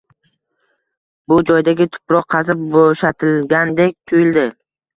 Bu joydagi tuproq qazib bo‘shatilgandek tuyuldi